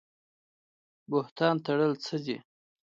بهتان تړل څه دي؟